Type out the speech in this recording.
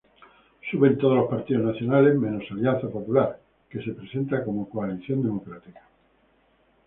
Suben todos los partidos nacionales, menos Alianza Popular, que se presenta como Coalición Democrática.